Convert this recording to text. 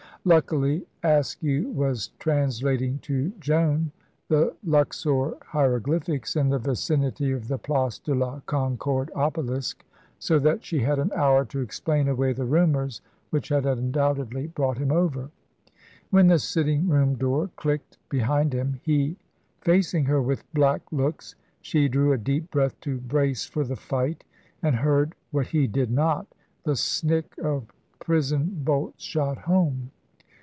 Luckily, Askew was translating to Joan the Luxor hieroglyphics in the vicinity of the Place de la Concorde Obelisk, so that she had an hour to explain away the rumours which had undoubtedly brought him over. When the sitting room door clicked behind him he facing her with black looks she drew a deep breath to brace for the fight, and heard, what he did not, the snick of prison bolts shot home.